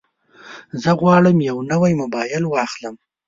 زه غواړم یو نوی موبایل واخلم.